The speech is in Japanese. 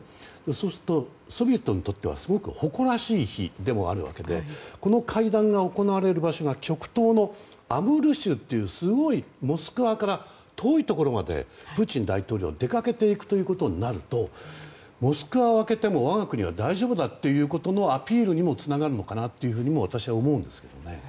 そうするとソビエトにとっては誇らしい日であるわけでこの会談が行われる場所が極東でモスクワから遠いところまでプーチン大統領は出かけていくということになるとモスクワを空けても我が国は大丈夫だというアピールにもつながるのかなとも私は思うんですよね。